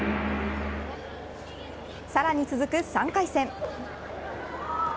さらに続く３回戦。